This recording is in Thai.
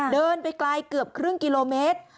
เดินไปไกลเกือบครึ่งกิโลเมตร